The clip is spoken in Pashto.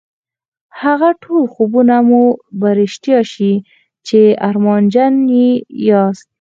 هغه ټول خوبونه به مو رښتيا شي چې ارمانجن يې ياست.